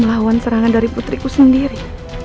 melawan serangan dari putriku sendiri